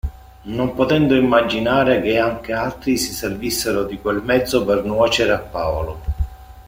Non potendo immaginare che anche altri si servissero di quel mezzo per nuocere a Paolo.